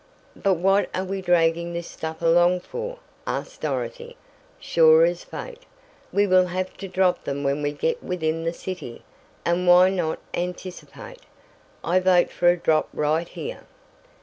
"But what are we dragging this stuff along for?" asked Dorothy. "Sure as fate, we will have to drop them when we get within the city, and why not anticipate? I vote for a drop right here!"